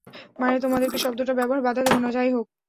মানে, তোমাদেরকে শব্দটা ব্যবহারে বাধা দেব না, যাই হোক।